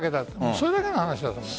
それだけの話だと思う。